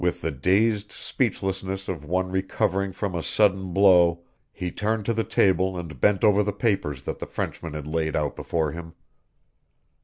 With the dazed speechlessness of one recovering from a sudden blow he turned to the table and bent over the papers that the Frenchman had laid out before him.